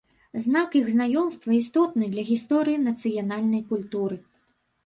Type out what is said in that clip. Знак іх знаёмства істотны для гісторыі нацыянальнай культуры.